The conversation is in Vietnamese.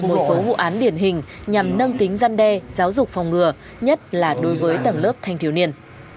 một số vụ án điển hình nhằm nâng tính dân đe giáo dục phòng ngừa nhất là đối với tầng lớp thanh thiếu niên